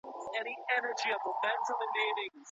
د نجونو لیلیه په چټکۍ نه ارزول کیږي.